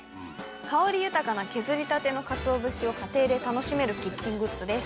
香り豊かな削りたてのカツオ節を家庭で楽しめるキッチングッズです。